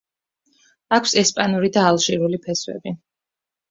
აქვს ესპანური და ალჟირული ფესვები.